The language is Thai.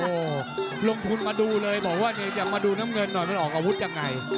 โอ้โหลงทุนมาดูเลยบอกว่าเนี่ยอยากมาดูน้ำเงินหน่อยมันออกอาวุธยังไง